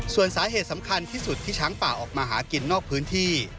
ส่วนสาเหตุสำคัญที่สุดที่ช้างป่าออกมาหากินนอกพื้นที่